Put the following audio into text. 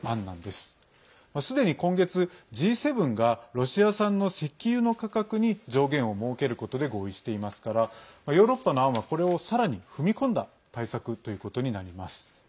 すでに今月、Ｇ７がロシア産の石油の価格に上限を設けることで合意していますからヨーロッパの案はこれを、さらに踏み込んだ対策ということになります。